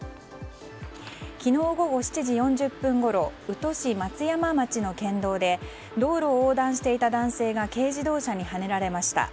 昨日午後７時４０分ごろ宇土市松山町の県道で道路を横断していた男性が軽自動車にはねられました。